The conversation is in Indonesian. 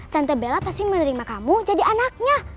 tante bella pasti menerima kamu jadi anaknya